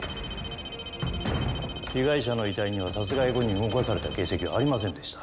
被害者の遺体には殺害後に動かされた形跡はありませんでした。